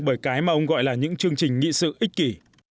bởi cái mà ông gọi là những chương trình nghị sự ích kỷ